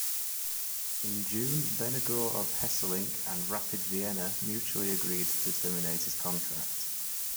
In June, Vennegoor of Hesselink and Rapid Vienna mutually agreed to terminate his contract.